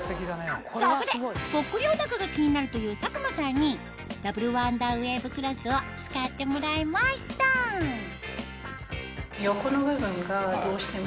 そこでポッコリお腹が気になるという佐久間さんにダブルワンダーウェーブクロスを使ってもらいました横の部分がどうしても。